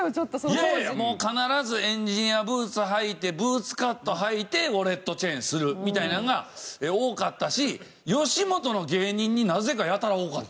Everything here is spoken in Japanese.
いやいやもう必ずエンジニアブーツ履いてブーツカットはいてウォレットチェーンするみたいなのが多かったし吉本の芸人になぜかやたら多かった。